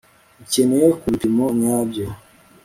ukeneye ku bipimo nyabyo